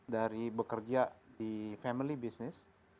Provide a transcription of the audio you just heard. dari bekerja di family business